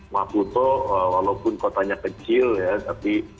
makuto walaupun kotanya kecil ya tapi